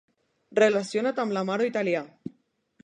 Relacionat amb l'amaro italià.